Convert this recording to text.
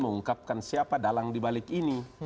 mengungkapkan siapa dalang dibalik ini